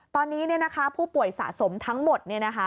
ตอนนี้ผู้ป่วยสะสมทั้งหมด